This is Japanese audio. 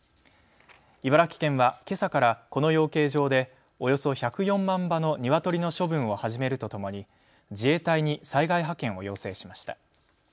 茨城県は、けさからこの養鶏場でおよそ１０４万羽のニワトリの処分を始めるとともに自衛隊に災害派遣を要請しました。